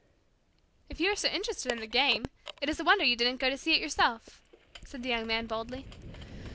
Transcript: "If you are so interested in the game, it is a wonder you didn't go to see it yourself," said the Young Man boldly.